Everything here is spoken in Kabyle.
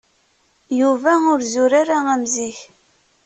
Yuba ur zur ara am zik.